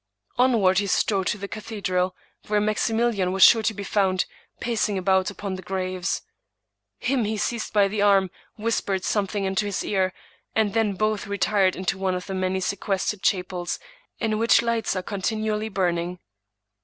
Onward he strode to the cathedral, where Maximilian was sure to be found, pacing about upon the graves. Him he seized by the arm, whispered something into his ear, and then both retired into one of the many sequestered chapels in which lights are continually burning.